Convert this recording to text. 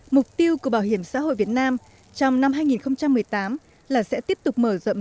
mục tiêu của bảo hiểm xã hội việt nam trong năm hai nghìn một mươi tám là sẽ tiếp tục mở rộng